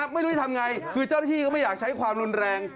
ไม่รู้จะทำไงคือเจ้าหน้าที่ก็ไม่อยากใช้ความรุนแรง